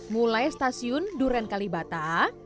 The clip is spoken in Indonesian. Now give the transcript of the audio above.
mulai stasiun duren kalibata